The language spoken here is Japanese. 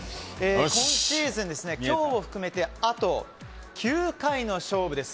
今シーズン、今日を含めてあと９回の勝負です。